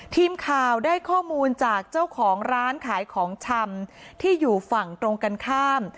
ทีมข่าวได้ข้อมูลจากเจ้าของร้านขายของชำที่อยู่ฝั่งตรงกันข้าม